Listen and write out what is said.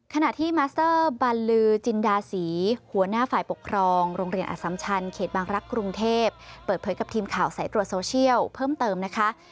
ขณะที่มัสเตอร์บัลลือจินดาศรีหัวหน้าฝ่ายปกครองโรงเรียนอสัมชันเขตบางรักษ์กรุงเทพเปิดเผยกับทีมข่าวสายตรวจโซเชียลเพิ่มเติมนะคะ